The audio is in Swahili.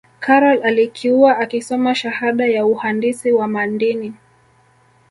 karol alikiuwa akisoma shahada ya uhandisi wa mandini